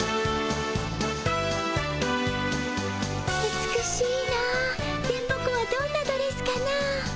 美しいの電ボ子はどんなドレスかの？